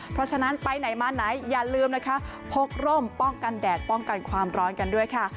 เพราะฉะนั้นไปไหนมาไหนอย่าลืมนะคะพกร่มป้องกันแดดป้องกันความร้อนกันด้วยค่ะ